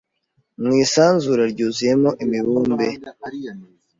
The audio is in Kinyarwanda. mu isanzure ryuzuyemo imibumbe